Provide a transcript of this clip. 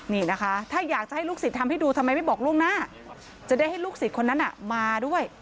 นี่นะคะถ้าอยากจะให้ลูกศิษย์ทำให้ดูทำไมไม่บอกล่วงหน้า